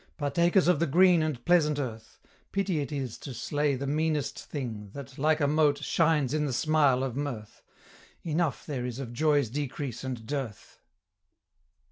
Partakers of the green and pleasant earth: Pity it is to slay the meanest thing, That, like a mote, shines in the smile of mirth: Enough there is of joy's decrease and dearth!"